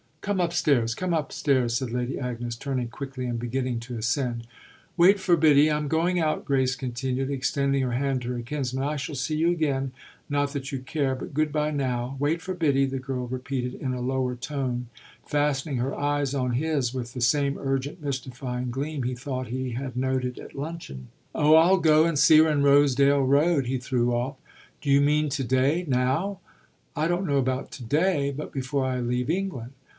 "Come upstairs come upstairs," said Lady Agnes, turning quickly and beginning to ascend. "Wait for Biddy I'm going out," Grace continued, extending her hand to her kinsman. "I shall see you again not that you care; but good bye now. Wait for Biddy," the girl repeated in a lower tone, fastening her eyes on his with the same urgent mystifying gleam he thought he had noted at luncheon. "Oh I'll go and see her in Rosedale Road," he threw off. "Do you mean to day now?" "I don't know about to day, but before I leave England."